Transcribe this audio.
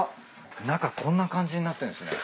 中こんな感じになってんすね。